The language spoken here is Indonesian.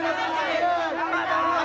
tidak ada apa pak